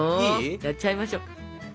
やっちゃいましょう。